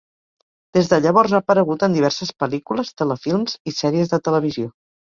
Des de llavors, ha aparegut en diverses pel·lícules, telefilms i sèries de televisió.